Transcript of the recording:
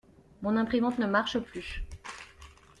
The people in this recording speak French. Mon imprimante ne marche plus.